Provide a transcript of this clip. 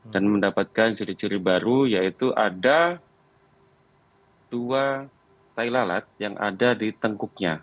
dan mendapatkan ciri ciri baru yaitu ada dua tailalat yang ada di tengkuknya